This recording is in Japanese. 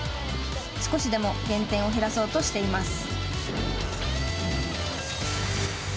少しでも減点を減らそうとしています。